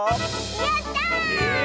やった！え？